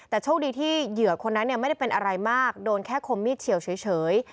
แต่โชคดีที่เหยื่อคนนั้นไม่ได้เป็นอะไรมากโดนแค่คมมีดเฉียวเฉย